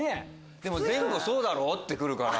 でも全部「そうだろ？」って来るから。